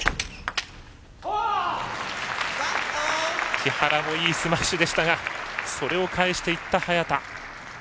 木原もいいスマッシュでしたがそれを返していった、早田。